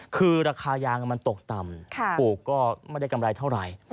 คือราคายางมันตกต่ำปลูกก็ไม่ได้กำไรเท่าไหร่